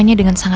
terima kasih ma